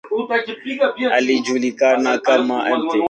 Alijulikana kama ""Mt.